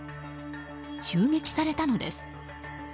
襲撃されたのです。